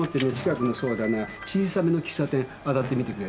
小さめの喫茶店洗ってみてくれる？